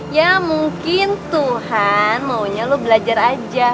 ya mungkin tuhan maunya lu belajar aja